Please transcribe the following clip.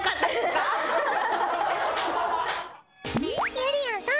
ゆりやんさん